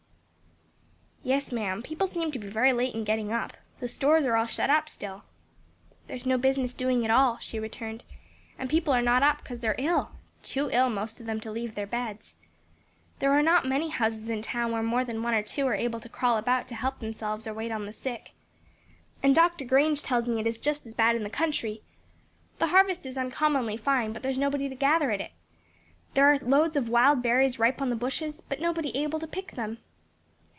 "Yes, ma'am; people seem to be very late in getting up. The stores are all shut up still." "There's no business doing at all," she returned, "and people are not up because they're ill; too ill, most of them, to leave their beds. "There are not many houses in town where more than one or two are able to crawl about to help themselves or wait on the sick. "And Dr. Grange tells me it is just as bad in the country. The harvest is uncommonly fine, but there's nobody to gather it in; there are loads of wild berries ripe on the bushes, but nobody able to pick them.